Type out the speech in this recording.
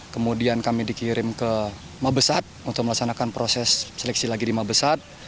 kemudian kami dikirim ke mabesat untuk melaksanakan proses seleksi lagi di mabesat